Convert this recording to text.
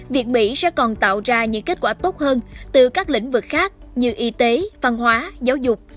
việt mỹ sẽ còn tạo ra những kết quả tốt hơn từ các lĩnh vực khác như y tế văn hóa giáo dục